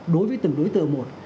đối với từng đối tượng một